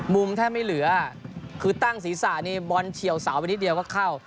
แทบไม่เหลือคือตั้งศีรษะนี่บอลเฉียวเสาไปนิดเดียวก็เข้า